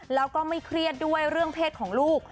และก็ไม่เครียดเรื่องเพศของลูก